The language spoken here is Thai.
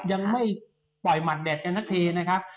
ยังไม่ปล่อยหมัดแดดกันสักทีนะครับ